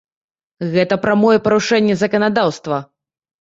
Гэта прамое парушэнне заканадаўства!